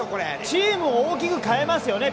チームを大きく変えますよね。